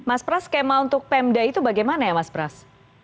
mas pras skema untuk pemda itu bagaimana ya mas pras